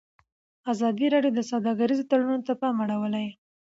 ازادي راډیو د سوداګریز تړونونه ته پام اړولی.